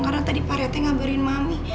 karena tadi pak ria teh ngabarin mami